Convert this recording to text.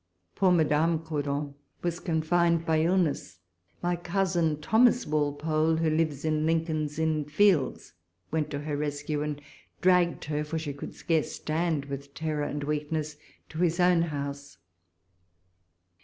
Poor Madame Cordon was confined by illness. My cousin, Tliomas Walpole, w^ho lives in Lincoln's Inn Fields, went to her rescue, and dragged her, for she could scarce stand with terror and weakness, to his own house.